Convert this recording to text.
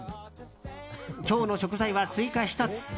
今日の食材はスイカ１つ。